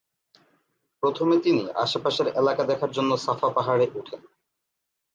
প্রথমে তিনি আশেপাশের এলাকা দেখার জন্য সাফা পাহাড়ে উঠেন।